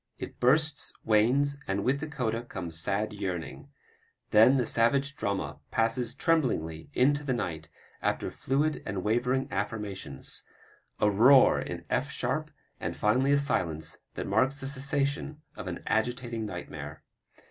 It bursts, wanes, and with the coda comes sad yearning, then the savage drama passes tremblingly into the night after fluid and wavering affirmations; a roar in F sharp and finally a silence that marks the cessation of an agitating nightmare.